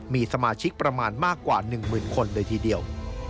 มีสมาชิกประมาณมากกว่า๑หมื่นคนเลยทีเดียว